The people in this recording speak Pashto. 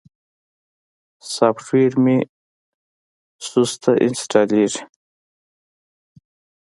سافټویر مې سسته انستالېږي.